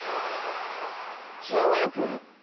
Ｑマーク⁉